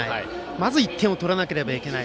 まず１点を取らなければいけない。